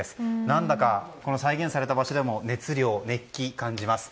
何だか再現された場所でも熱量や熱気を感じます。